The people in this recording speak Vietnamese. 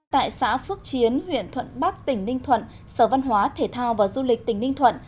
tại xã phước chiến huyện thuận bắc tỉnh ninh thuận sở văn hóa thể thao và du lịch tỉnh ninh thuận